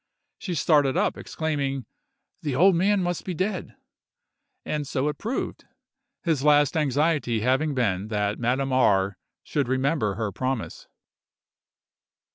She started up, exclaiming, "The old man must be dead!" and so it proved,—his last anxiety having been that Madame R—— should remember her promise.